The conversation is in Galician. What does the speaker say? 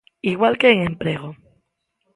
Igual que en emprego.